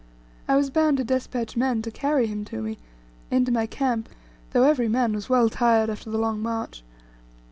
I was bound to despatch men to carry him to me, into my camp, though every man was well tired after the long march.